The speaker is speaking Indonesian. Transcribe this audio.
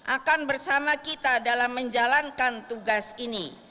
akan bersama kita dalam menjalankan tugas ini